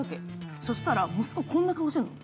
そしたら、息子、こんな顔してるの。